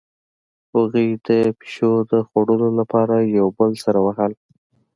هغوی د پیشو د خوړلو لپاره یو بل سره وهل